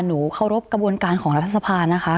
หนูหนูเคารพกระบวนการของรัฐสภานะค่ะ